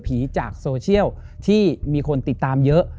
จากโซเชียลที่มีคนติดตามเยอะ